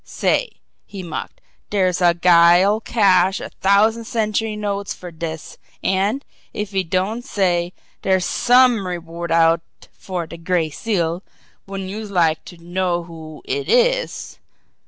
Say," he mocked, "dere's a guy'll cash a t'ousand century notes fer dis, an' if he don't say, dere's SOME reward out fer the Gray Seal! Wouldn't youse like to know who it is?